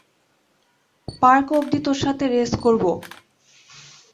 Park অব্ধি তোর সাথে রেস করবো।